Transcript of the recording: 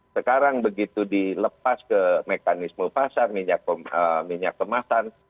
sekarang begitu dilepas ke mekanisme pasar minyak kemasan